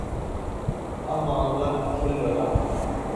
اب معاملہ کھل رہا ہے۔